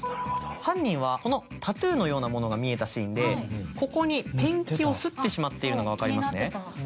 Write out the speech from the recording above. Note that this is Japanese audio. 犯人はこのタトゥーのようなものが見えたシーンでここにペンキを擦ってしまっているのが分かりますね？